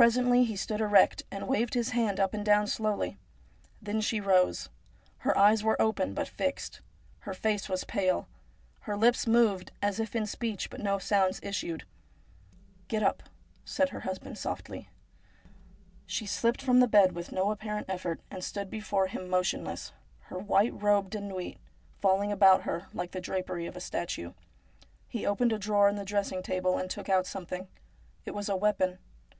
Presently he stood erect, and waved his hand up and down slowly. Then she rose. Her eyes were open, but fixed. Her face was pale. Her lips moved as if in speech, but no sounds issued. ' Get up !' said her husband softly. She slipped from the bed with no apparent effort, and stood before him motionless, her white robe de nuit falling about her like the drapery of a statue. He opened a drawer in the dressing table, and took out something. It was a weapon.